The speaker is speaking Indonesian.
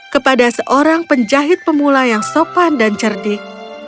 kepada seorang penjahit pemula yang sopan dan cerdik